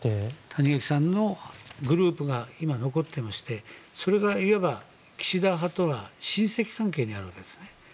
谷垣さんのグループが今、残ってましてそれがいわば岸田派とは親戚関係にあるわけですね。